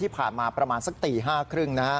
ที่ผ่านมาประมาณสักตี๕ครึ่ง